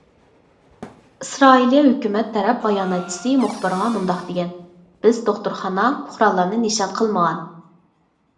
ئىسرائىلىيە ھۆكۈمەت تەرەپ باياناتچىسى مۇخبىرغا مۇنداق دېگەن: بىز دوختۇرخانا، پۇقرالارنى نىشان قىلمىغان.